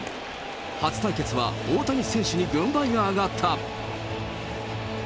初対決は、大谷選手に軍配が上がった。